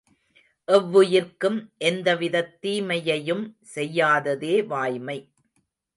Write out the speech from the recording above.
எவ்வுயிர்க்கும் எந்தவிதத் தீமையையும் செய்யாததே வாய்மை.